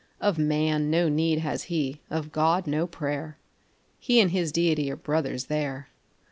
Of man no need has he, of God, no prayer; He and his Deity are brothers there.